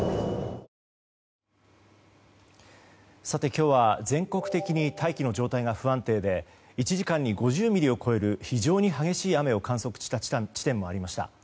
今日は全国的に大気の状態が不安定で１時間に５０ミリを超える非常に激しい雨を観測した地点もありました。